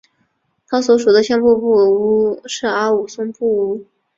他所属的相扑部屋是阿武松部屋。